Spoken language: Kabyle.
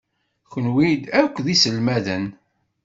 Kenwi akk d iselmaden.